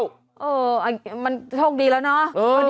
ค่ะแต่ยังข้อดีอยู่อย่างที่ไม่ไปชนรถคนอื่นเข้า